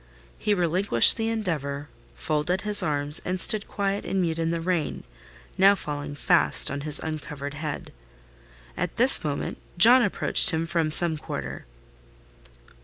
He relinquished the endeavour, folded his arms, and stood quiet and mute in the rain, now falling fast on his uncovered head. At this moment John approached him from some quarter.